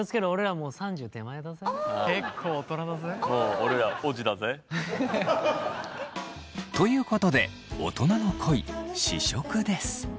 もう俺らオジだぜ。ということで大人の恋試食です。